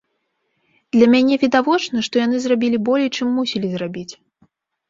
Для мяне відавочна, што яны зрабілі болей, чым мусілі зрабіць.